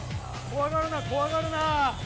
怖がるな、怖がるな。